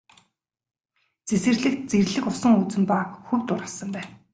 Цэцэрлэгт зэрлэг усан үзэм ба хөвд ургасан байв.